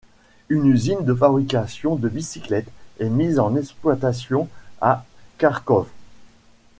Une usine de fabrication de bicyclette est mise en exploitation à Karkhov.